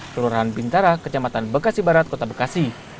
kelurahan bintara kecamatan bekasi barat kota bekasi